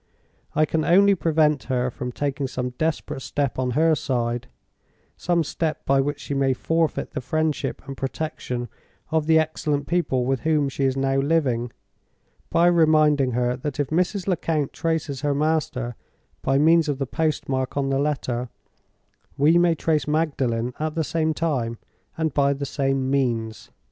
I can only prevent her from taking some desperate step on her side—some step by which she may forfeit the friendship and protection of the excellent people with whom she is now living—by reminding her that if Mrs. Lecount traces her master by means of the postmark on the letter, we may trace Magdalen at the same time, and by the same means.